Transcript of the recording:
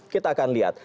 kita akan lihat